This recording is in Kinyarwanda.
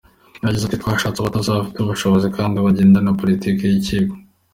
Yagize ati “Twashatse abatoza bafite ubushobozi kandi bagendana na politiki y’ikipe.